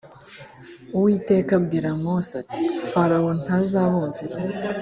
uwiteka abwira mose ati farawo ntazabumvira